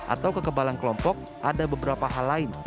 atau kekebalan kelompok ada beberapa hal lain